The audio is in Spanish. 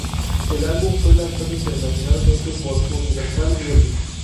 El álbum fue lanzado internacionalmente por Universal Music.